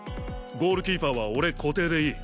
ゴールキーパーは俺固定でいい。